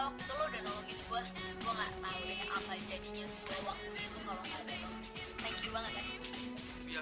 gue mau bilang makasih banget ya